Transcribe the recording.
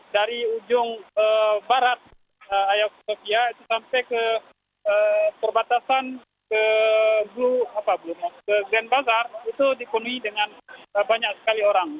dari ujung barat ayakokia sampai ke perbatasan ke grand bazar itu dipenuhi dengan banyak sekali orang